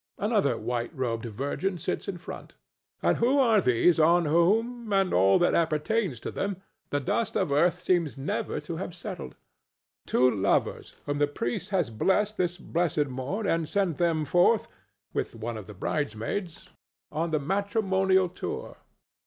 Another white robed virgin sits in front. And who are these on whom, and on all that appertains to them, the dust of earth seems never to have settled? Two lovers whom the priest has blessed this blessed morn and sent them forth, with one of the bride maids, on the matrimonial tour.